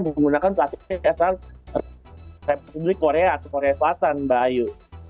menggunakan pelatihan asal republik korea atau korea selatan mbak ayu